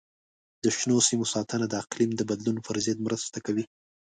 د شنو سیمو ساتنه د اقلیم د بدلون پر ضد مرسته کوي.